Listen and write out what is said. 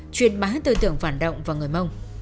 truyền bá tư tưởng phản động vào người mông